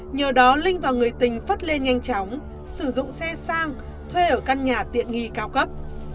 nhờ đó linh và người tình phất lên nhanh chóng sử dụng xe sang thuê ở căn nhà tiện nghi cao cấp